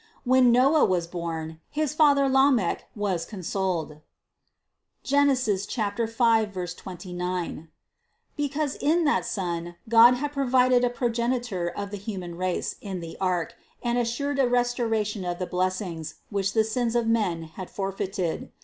When Noah was born, his father Lamech was consoled (Genes. 5, 29), because in that son God had provided a progenitor of the human race in the ark and assured a restoration of the blessings, which the sins of men had forfeited.